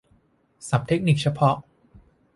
ศัพท์เทคนิคเฉพาะ